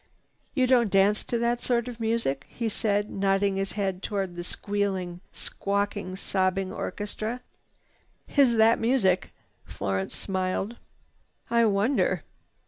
"You don't dance to that sort of music?" he said, nodding his head toward the squealing, squawking, sobbing orchestra. "Is it music?" Florence smiled. "I wonder!"